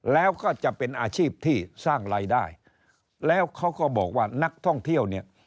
แล้วก็จะเป็นอาชีพที่สร้างรายได้แล้วเขาก็บอกว่านักท่องเที่ยวเนี่ย